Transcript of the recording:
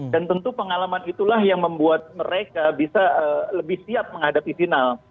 dan tentu pengalaman itulah yang membuat mereka bisa lebih siap menghadapi final